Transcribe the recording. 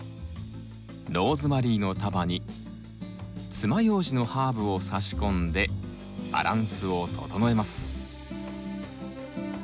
ローズマリーの束につまようじのハーブをさし込んでバランスを整えます。